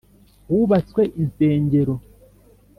hubatswe insengero